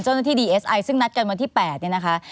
เจ้าหน้าที่ดีเสไอซ์ซึ่งนัดกันวันที่๘นะคะ